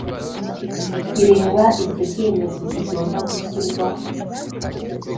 bireba ibyo byemezo zigomba gushyirwa